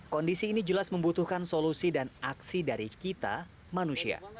kondisi ini jelas membutuhkan solusi dan aksi dari kita manusia